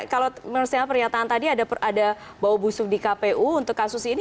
karena pernyataan tadi ada bau busuk di kpu untuk kasus ini